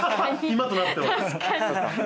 今となっては。